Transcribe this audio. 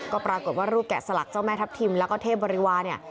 ก็ปรากฏว่ารูปแกะสลักเจ้าแม่ทัพทิมแล้วก็เทพบริวาเนี่ย